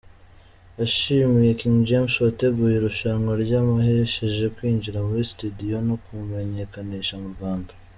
Yashimiye King James wateguye irushanwa ryamuhesheje kwinjira muri studio no kumumenyekanisha mu Rwanda.